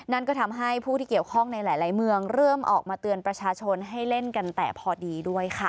นั่นก็ทำให้ผู้ที่เกี่ยวข้องในหลายเมืองเริ่มออกมาเตือนประชาชนให้เล่นกันแต่พอดีด้วยค่ะ